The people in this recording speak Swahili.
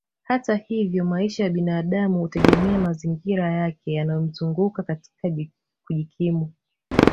Hata hivyo maisha ya binadamu hutegemea mazingira yake yanayomzunguka katika kujikimu